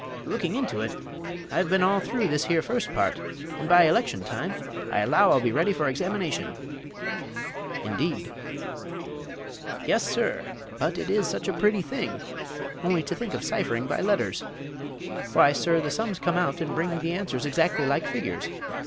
"Looking into it! I have been all through this here fust part; and by election time, I allow I'll be ready for examination." "Indeed!" "Yes, sir! but it is such a pretty thing! Only to think of cyphering by letters! Why, sir, the sums come out, and bring the answers exactly like figures.